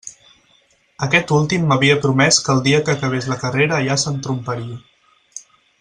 Aquest últim m'havia promès que el dia que acabés la carrera allà s'entromparia.